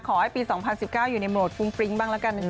ขอให้ปี๒๐๑๙อยู่ในโหมดฟุ้งฟริ้งบ้างแล้วกัน